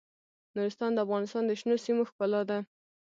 نورستان د افغانستان د شنو سیمو ښکلا ده.